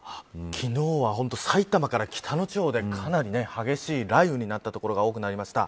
昨日は埼玉から北の地方でかなり激しい雷雨になった所が多くなりました。